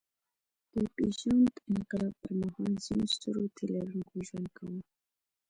د پېژاند انقلاب پر مهال ځینو سترو تيلرونکي ژوند کاوه.